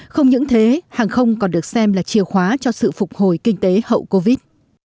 không những thế hàng không còn được xem là chìa khóa cho sự phục hồi kinh tế hậu covid